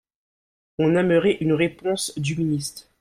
On aimerait une réponse du ministre